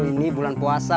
ini bulan puasa